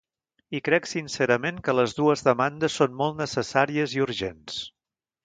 I crec sincerament que les dues demandes són molt necessàries i urgents.